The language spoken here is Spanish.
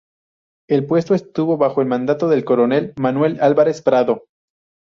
El puesto estuvo bajo el mando del coronel Manuel Álvarez Prado.